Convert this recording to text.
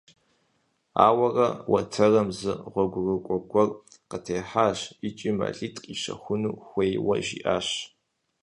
Ауэрэ уэтэрым зы гъуэгурыкӀуэ гуэр къытехьащ икӀи мэлитӀ къищэхуну хуейуэ жиӀащ.